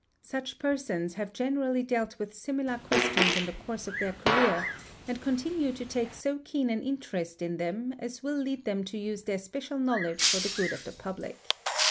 Such persons have generally dealt with similar questions in the course of their career and continue to take so keen an | interest in them as will lead them to use their special knowledge for the good of the public.